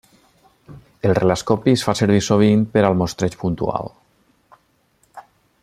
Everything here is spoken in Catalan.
El Relascopi es fa servir sovint per al mostreig puntual.